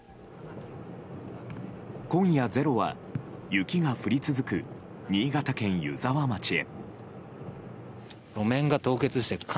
今夜「ｚｅｒｏ」は雪が降り続く新潟県湯沢町へ。